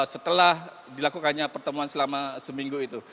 setelah dilakukannya pertemuan selama seminggu itu